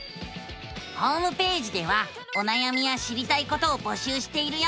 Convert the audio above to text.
ホームページではおなやみや知りたいことを募集しているよ！